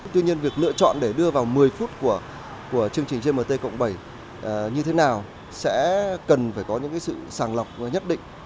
tuy nhiên việc lựa chọn để đưa vào một mươi phút của chương trình gmt cộng bảy như thế nào sẽ cần phải có những sự sàng lọc nhất định